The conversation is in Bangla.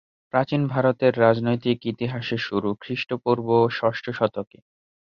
প্রাচীন ভারতের রাজনৈতিক ইতিহাসের শুরু খ্রিস্টপূর্ব ষষ্ঠ শতকে।